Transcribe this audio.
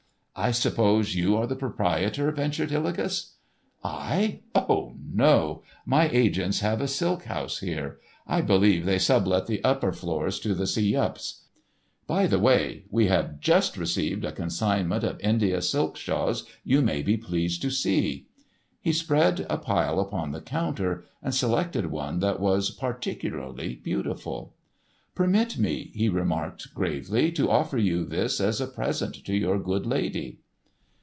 "I suppose you are the proprietor?" ventured Hillegas. "I? Oh, no! My agents have a silk house here. I believe they sub let the upper floors to the See Yups. By the way, we have just received a consignment of India silk shawls you may be pleased to see." He spread a pile upon the counter, and selected one that was particularly beautiful. "Permit me," he remarked gravely, "to offer you this as a present to your good lady."